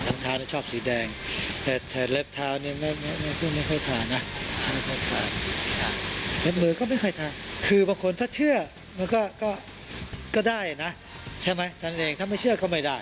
แม่มือก็ไม่ค่อยทำคือบางคนถ้าเชื่อก็ได้นะใช่ไหมท่านเองถ้าไม่เชื่อก็ไม่ได้